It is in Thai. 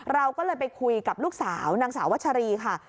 เราก็เลยไปคุยกับลูกสาวนางสาววัชรีค่ะ